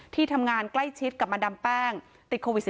ที่ทำงานใกล้ชิดกับมาดามแป้งติดโควิด๑๙